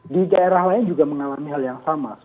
di daerah lain juga mengalami hal yang sama